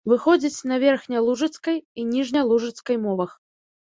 Выходзіць на верхнялужыцкай і ніжнялужыцкай мовах.